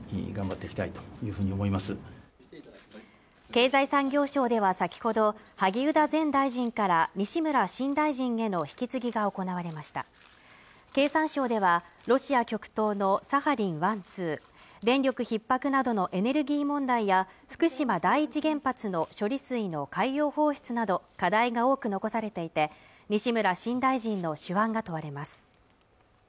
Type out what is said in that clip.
経済産業省では先ほど萩生田前大臣から西村新大臣への引き継ぎが行われました経産省ではロシア極東のサハリン１・２電力逼迫などのエネルギー問題や福島第１原発の処理水の海洋放出など課題が多く残されていて西村新大臣の手腕が問われます